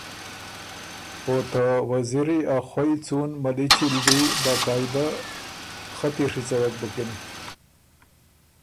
او ته وزیری ا خوئ څُون ملِچی ل دی با قاعده خطی ڒیڅَوَکِن بُکِن